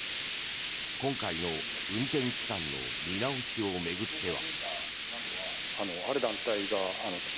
今回の運転期間の見直しを巡っては。